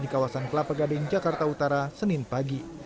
di kawasan kelapa gading jakarta utara senin pagi